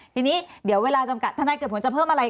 ทีนี้เดี๋ยวเวลาจำกัดทนายเกิดผลจะเพิ่มอะไร